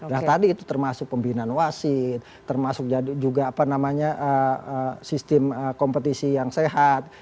nah tadi itu termasuk pembinaan wasit termasuk juga apa namanya sistem kompetisi yang sehat